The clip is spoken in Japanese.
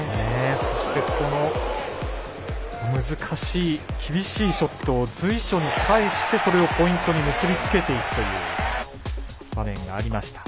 そして、難しい厳しいショットを随所に返して、それをポイントに結び付けていくという場面がありました。